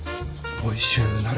おいしゅうなれ。